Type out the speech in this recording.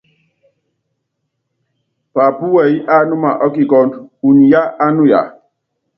Paapú wɛyí ánúma ɔ́kikɔ́ndɔ, unyi yá ánuya.